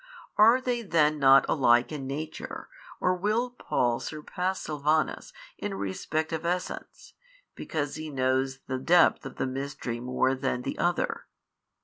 Are they then not alike in nature or will Paul surpass Silvanus in respect of essence, because he knows the depth of the mystery more than the other?